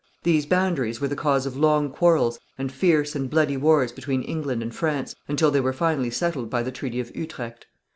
These boundaries were the cause of long quarrels and fierce and bloody wars between England and France until they were finally settled by the Treaty of Utrecht.